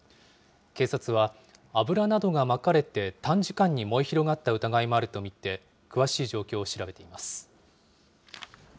警察は、油などがまかれて短時間に燃え広がった疑いもあると見て、詳しい状況を調べています。